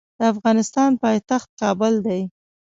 د افغانستان پایتخت کابل دی.